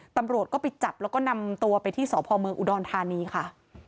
ตำรวจก็ไปจับแล้วก็นำตัวไปที่สพเมืองอุดรธานีค่ะ